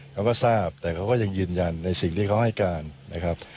เขาก็ทราบแต่เขาก็ยังยืนยันในสิ่งที่เขาให้การนะครับ